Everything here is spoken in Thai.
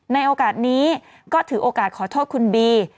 ในโอกาสนี้ก็ถือโอกาสขอโทษคุณบี